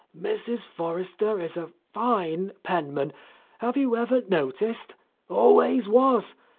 "Mrs. Forrester is a fine penman; have you ever noticed? Always was.